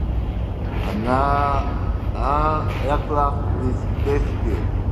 An aircraft rescue and fire fighting facility shares space in the airport maintenance facility.